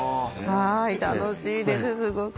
楽しいですすごく。